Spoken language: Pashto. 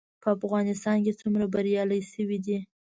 په افغانستان کې څومره بریالي شوي دي؟